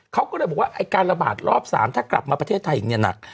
เขาก็เลยบอกว่าไอ้การระบาดรอบ๓ถ้ากลับมาประเทศไทยอีกเนี่ยหนัก